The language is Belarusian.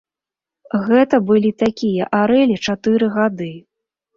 Гэта былі такія арэлі чатыры гады.